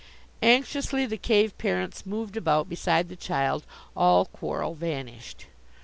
Anxiously the Cave parents moved about beside the child, all quarrel vanished.